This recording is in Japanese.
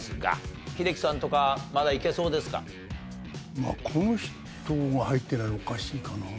まあこの人が入ってないとおかしいかな。